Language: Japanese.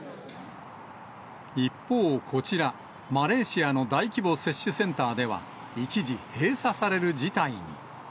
一方、こちら、マレーシアの大規模接種センターでは、一時閉鎖される事態に。